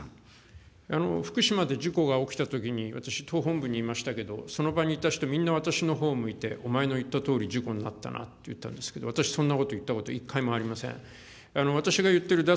福島で事故が起きたときに、私、党本部にいましたけれども、その場にいた人、みんな私のほうを向いて、お前の言ったとおり、事故になったなと言ったんですけれども、私、そんなこと言ったこと一回もありません。